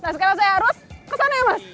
sekarang saya harus ke sana ya mas